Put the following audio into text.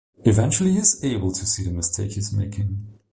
Eventually he is able to see the mistake he is making.